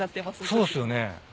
そうっすよね。